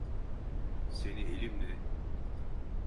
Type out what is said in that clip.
Seni elimle…